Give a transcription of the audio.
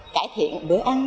cải thiện bữa ăn